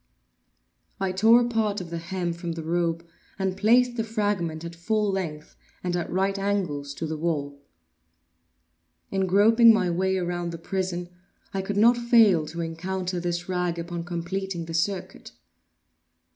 I tore a part of the hem from the robe and placed the fragment at full length, and at right angles to the wall. In groping my way around the prison, I could not fail to encounter this rag upon completing the circuit.